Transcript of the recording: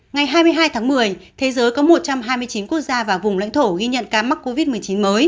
ngày hai mươi hai tháng một mươi thế giới có một trăm hai mươi chín quốc gia và vùng lãnh thổ ghi nhận ca mắc covid một mươi chín mới